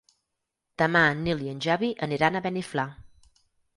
Demà en Nil i en Xavi aniran a Beniflà.